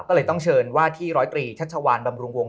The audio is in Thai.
ก็เลยต้องเชิญว่าที่ร้อยตรีชัชวานบำรุงวง